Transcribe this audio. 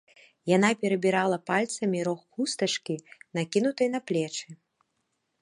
Яна перабірала пальцамі рог хустачкі, накінутай на плечы.